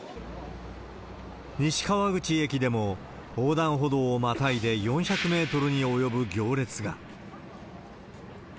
西川口駅でも、横断歩道をまたいで４００メートルに及ぶ行列が。